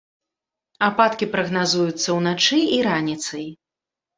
Ападкі прагназуюцца ўначы і раніцай.